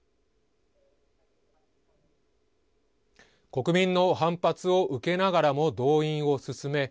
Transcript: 国民の反発を受けながらも動員を進め